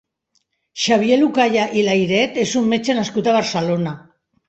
Xavier Lucaya i Layret és un metge nascut a Barcelona.